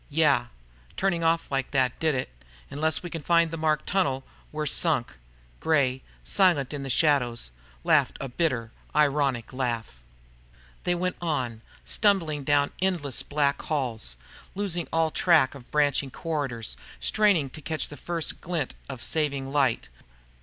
"Yeah. Turning off like that did it. Unless we can find that marked tunnel, we're sunk!" Gray, silent in the shadows, laughed a bitter, ironic laugh. They went on, stumbling down endless black halls, losing all track of branching corridors, straining to catch the first glint of saving light.